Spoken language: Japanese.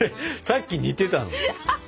さっき似てたのに。